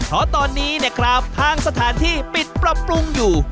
เพราะตอนนี้เนี่ยครับทางสถานที่ปิดปรับปรุงอยู่